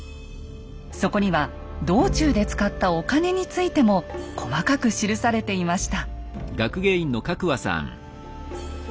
そこには道中で使ったお金についても細かく記されていました。